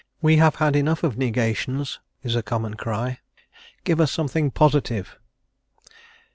"We have had enough of negations," is a common cry; "give us something positive."